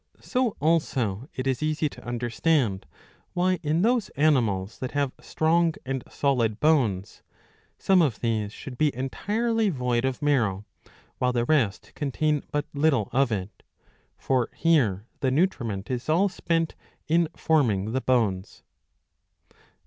So also it is easy to understand, why, in those animals that have strong and solid bones, some of these should be entirely void of marrow, while the rest contain but little of it ; for here the nutriment is all spent in forming the bones.